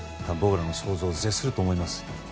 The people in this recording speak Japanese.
僕らの想像を絶すると思います。